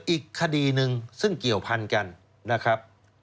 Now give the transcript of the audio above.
อีกคดีหนึ่งซึ่งเกี่ยวพันกันนะครับ